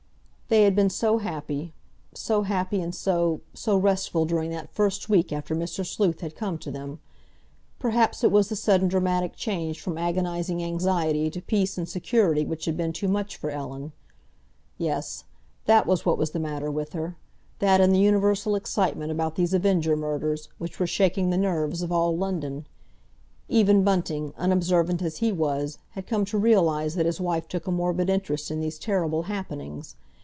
They had been so happy, so happy, and so—so restful, during that first week after Mr. Sleuth had come to them. Perhaps it was the sudden, dramatic change from agonising anxiety to peace and security which had been too much for Ellen—yes, that was what was the matter with her, that and the universal excitement about these Avenger murders, which were shaking the nerves of all London. Even Bunting, unobservant as he was, had come to realise that his wife took a morbid interest in these terrible happenings.